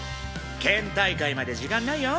県大会まで時間ないよ。